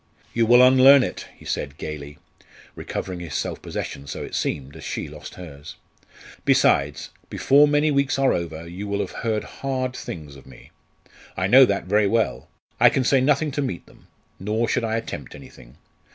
"You will unlearn it!" he said gaily, recovering his self possession, so it seemed, as she lost hers. "Besides, before many weeks are over you will have heard hard things of me. I know that very well. I can say nothing to meet them. Nor should I attempt anything.